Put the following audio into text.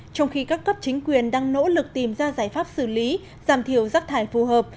trong khi các cấp chính quyền đang nỗ lực tìm ra giải pháp xử lý giảm thiểu rác thải phù hợp